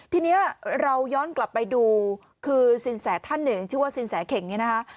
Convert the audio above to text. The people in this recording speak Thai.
ทีนี้เราย้อนกลับไปดูคือสินแสท่านหนึ่งชื่อว่าสินแสเข่งเนี่ยนะคะ